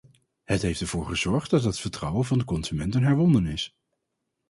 Het heeft ervoor gezorgd dat het vertrouwen van de consumenten herwonnen is.